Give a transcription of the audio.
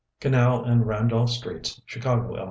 Canal and Randolph Sts., Chicago, Ill.